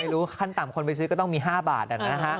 ไม่รู้ขั้นต่ำคนไปซื้อก็ต้องมี๕บาทอ่ะนะฮะ